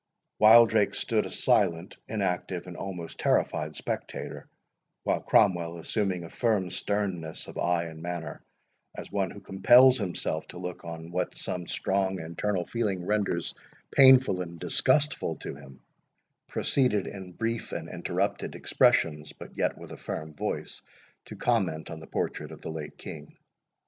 Wildrake stood a silent, inactive, and almost a terrified spectator, while Cromwell, assuming a firm sternness of eye and manner, as one who compels himself to look on what some strong internal feeling renders painful and disgustful to him, proceeded, in brief and interrupted expressions, but yet with a firm voice, to comment on the portrait of the late King.